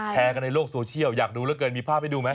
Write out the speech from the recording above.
แชร์กันในโลกโซเชียลอยากดูเหลือเกินมีภาพให้ดูไหม